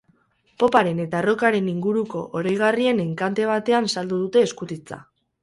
Poparen eta rockaren inguruko oroigarrien enkante batean saldu dute eskutitza.